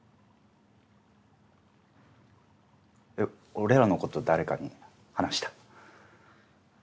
俺らのこと誰かに話した？